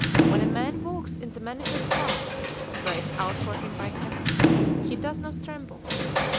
When a man walks in the manifest path traced out for him by Heaven, he does not tremble.